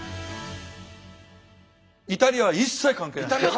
イタリアは一切関係ないです。